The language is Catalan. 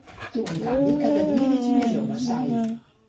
Tu, en canvi, cada dia ets més jove, Sally.